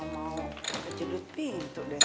mau kejedut pintu deh